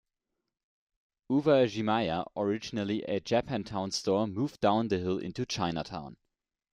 Uwajimaya, originally a Japantown store, moved down the hill into Chinatown.